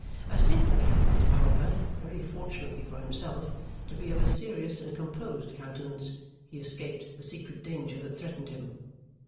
As Tinkler happened, however, very fortunately for himself, to be of a serious and composed countenance, he escaped the secret danger that threatened him.